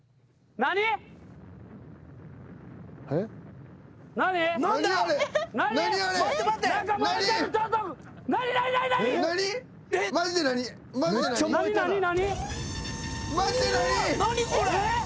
何これ！？